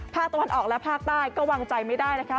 ภาคตะวันออกและภาคใต้ก็วางใจไม่ได้นะคะ